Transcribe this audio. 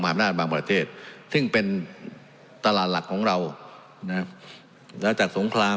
อำนาจบางประเทศซึ่งเป็นตลาดหลักของเรานะครับแล้วจากสงคราม